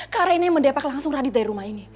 kak reina yang mendepak langsung radit dari rumah ini